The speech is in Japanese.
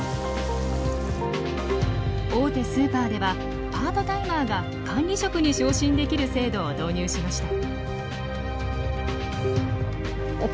大手スーパーではパートタイマーが管理職に昇進できる制度を導入しました。